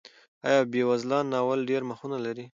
آیا بېوزلان ناول ډېر مخونه لري؟